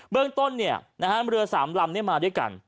เบื้องต้นเมื่อเรือสามลำมาด้วยกัน